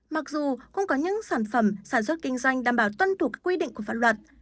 mặc dù cũng có những sản phẩm sản xuất kinh doanh đảm bảo tuân thủ quy định của pháp luật